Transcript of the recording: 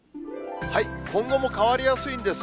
今後も変わりやすいんです。